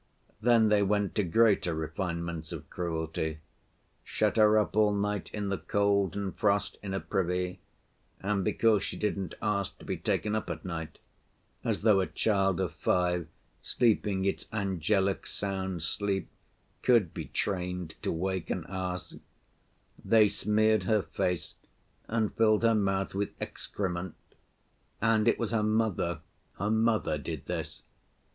Then, they went to greater refinements of cruelty—shut her up all night in the cold and frost in a privy, and because she didn't ask to be taken up at night (as though a child of five sleeping its angelic, sound sleep could be trained to wake and ask), they smeared her face and filled her mouth with excrement, and it was her mother, her mother did this.